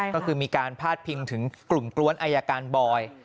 ก็คือมีการพาดพิงถึงกลุ่มกล้วนอายการบอย